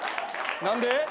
何で？